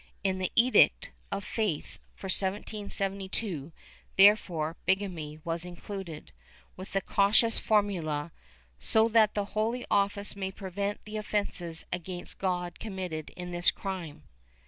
In the Edict of Faith for 1772, therefore, bigamy was included, with the cautious formula " so that the Holy Office may prevent the offences against God committed in this crime."